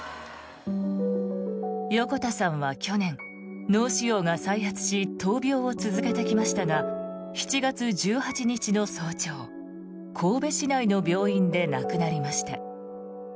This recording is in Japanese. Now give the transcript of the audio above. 横田さんは去年、脳腫瘍が再発し闘病を続けてきましたが７月１８日の早朝神戸市内の病院で亡くなりました。